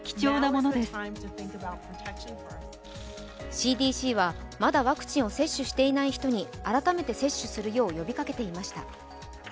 ＣＤＣはまだワクチンを接種していない人に改めて接種するよう呼びかけていました。